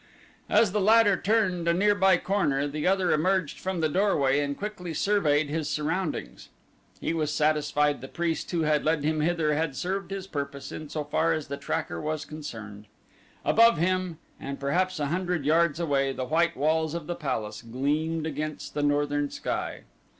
As the latter turned a nearby corner the other emerged from the doorway and quickly surveyed his surroundings. He was satisfied the priest who had led him hither had served his purpose in so far as the tracker was concerned. Above him, and perhaps a hundred yards away, the white walls of the palace gleamed against the northern sky.